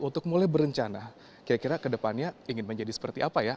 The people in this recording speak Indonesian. untuk mulai berencana kira kira kedepannya ingin menjadi seperti apa ya